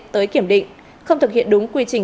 tới kiểm định không thực hiện đúng quy trình